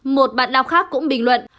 một bạn đọc khác cũng bình luận